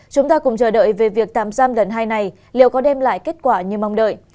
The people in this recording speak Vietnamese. chúng ta cùng chờ đợi về việc tạm giam lần hai này liệu có đem lại kết quả như mong đợi